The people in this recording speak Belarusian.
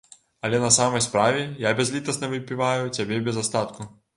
Але на самай справе, я бязлітасна выпіваю цябе без астатку.